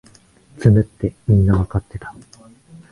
詰むってみんなわかってた